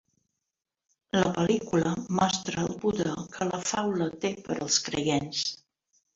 La pel·lícula mostra el poder que la faula té per als creients.